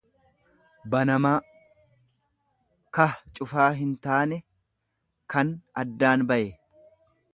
banamaa, kah cufaa hintaane, kan addaan baye.